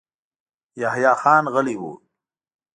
يحيی خان غلی و.